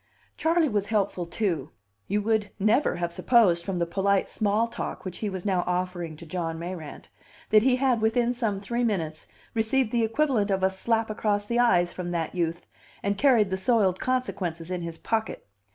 Charley was helpful, too; you would never have supposed from the polite small talk which he was now offering to John Mayrant that he had within some three minutes received the equivalent of a slap across the eyes from that youth, and carried the soiled consequences in his pocket.